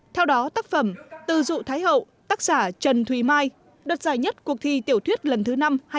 theo đó tác phẩm từ dụ thái hậu tác giả trần thùy mai đoạt giải nhất cuộc thi tiểu thuyết lần thứ năm hai nghìn một mươi sáu hai nghìn một mươi chín